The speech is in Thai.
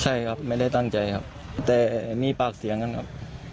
ใช่ครับไม่ได้ตั้งใจครับแต่มีปากเสียงกันครับ